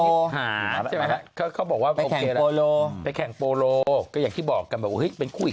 เราก็แบบคือขึ้นดีไม่ขึ้นดี